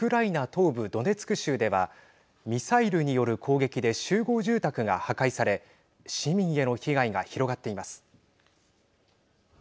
東部ドネツク州ではミサイルによる攻撃で集合住宅が破壊され市民への被害が広がっています。